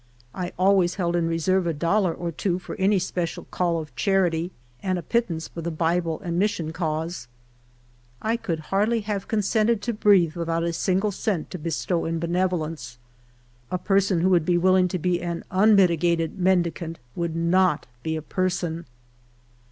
I always held in reserve a dollar or two for any special call of charity, and a pittance for the Bible and Mis sion cause. I could hardly have consented to breathe with out a single cent to bestow in benevolence. A person who would be willing to be an unmitigated mendicant would not be a person.